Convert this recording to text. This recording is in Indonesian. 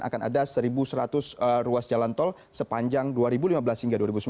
akan ada satu seratus ruas jalan tol sepanjang dua ribu lima belas hingga dua ribu sembilan belas